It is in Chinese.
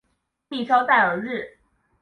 蒂绍代尔日。